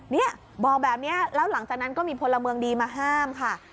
เนี่ยบอกแบบนี้แล้วหลังจากนั้นก็มีพลเมืองดีมาห้ามค่ะ